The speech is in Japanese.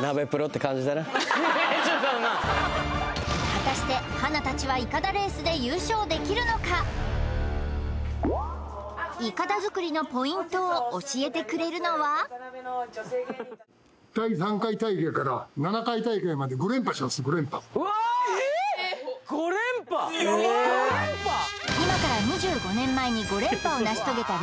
果たしてはなたちはいかだづくりのポイントを教えてくれるのはうわやばっ！